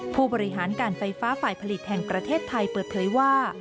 ผู้บริหารการไฟฟ้าฝ่ายผลิตแห่งประเทศไทยเปิดเผยว่า